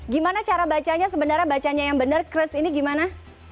gimana cara bacanya sebenarnya bacanya yang benar kres ini gimana